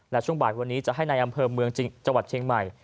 และช่วงบ่ายวันนี้จะให้ในอำเภอเมืองจังหวัดเชียงใหม่